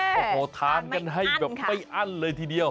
โอ้โหทานกันให้แบบไม่อั้นเลยทีเดียว